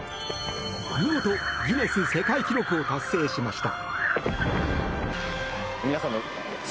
見事、ギネス世界記録を達成しました。